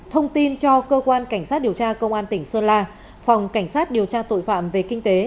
thông tin cho cơ quan cảnh sát điều tra công an tỉnh sơn la phòng cảnh sát điều tra tội phạm về kinh tế